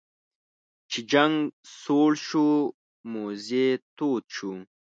چې جنګ سوړ شو موذي تود شو.